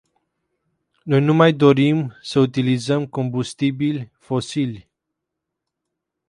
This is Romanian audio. Noi nu mai dorim să utilizăm combustibili fosili.